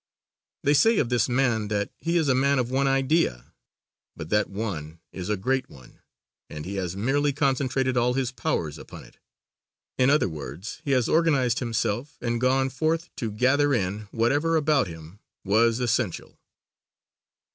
They say of this man that he is a man of one idea, but that one is a great one and he has merely concentrated all his powers upon it; in other words he has organized himself and gone forth to gather in whatever about him was essential.